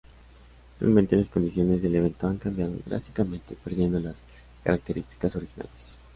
Actualmente las condiciones del evento han cambiado drásticamente, perdiendo las características originales.